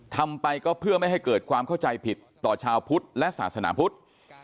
ทำไปก็เพื่อไม่ให้เกิดความเข้าใจผิดต่อชาวพุทธและศาสนาพุทธ